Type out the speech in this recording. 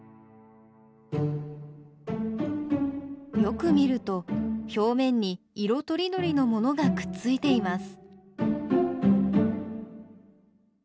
よく見ると表面に色とりどりのものがくっついています。